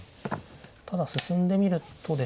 ただ進んでみるとでしたか。